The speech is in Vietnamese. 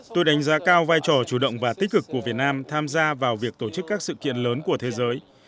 tôi đánh giá cao vai trò chủ động và tích cực của việt nam tham gia vào việc tổ chức các sự kiện lớn của thế giới